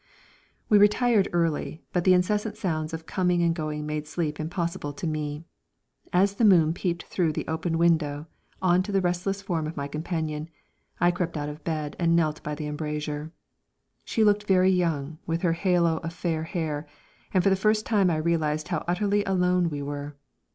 We retired early, but the incessant sounds of coming and going made sleep impossible to me. As the moon peeped through the open window on to the restless form of my companion, I crept out of bed and knelt by the embrasure. She looked very young with her halo of fair hair, and for the first time I realised how utterly alone we were.